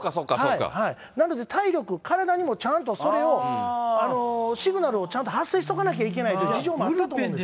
なので体力、体にもちゃんとそれをシグナルを発生しとかなきゃいけないという事情もあったと思うんですよ。